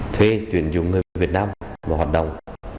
thuê tuyển dụng người việt nam vào hoạt động